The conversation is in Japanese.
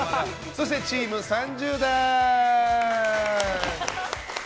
そしてチーム３０代。